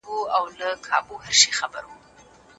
ما د سفر موزې په پښو کړلې له ياره سره